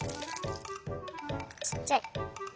ちっちゃい。